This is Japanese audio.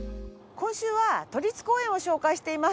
今週は都立公園を紹介しています。